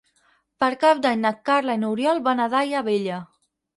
Per Cap d'Any na Carla i n'Oriol van a Daia Vella.